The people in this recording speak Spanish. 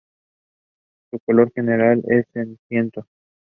Su color general es ceniciento.